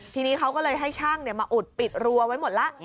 ทีนี้เขาก็เลยให้ช่างมาอุดปิดรัวไว้หมดแล้ว